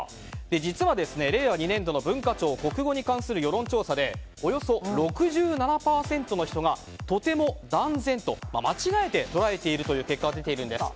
実は、令和２年度の文化庁「国語に関する世論調査」でおよそ６７％の人がとても・断然と間違えて捉えているという結果が出ているんです。